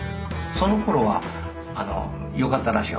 そのころはよかったらしい。